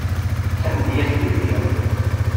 D tamedyazt i lliɣ.